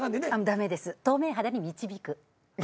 駄目です「透明肌に導く」え。